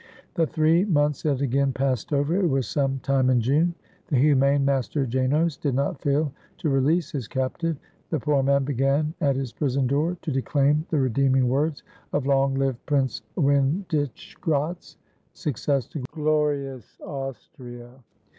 The three months had again passed over. It was some time in June. The humane Master Janos did not fail to release his captive. The poor man began at his prison door to de claim the redeeming words of "Long live Prince Win dischgratz! success to glorious Austria!"